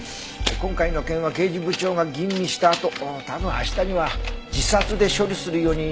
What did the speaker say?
今回の件は刑事部長が吟味したあと多分明日には自殺で処理するように所轄に。